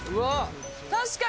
確かに。